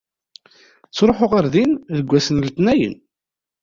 Ttruḥuɣ ar din deg wass n letnayen.